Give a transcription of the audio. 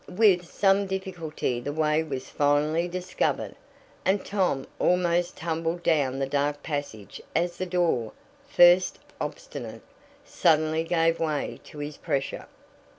With some difficulty the way was finally discovered, and Tom almost tumbled down the dark passage as the door, first obstinate, suddenly gave way to his pressure.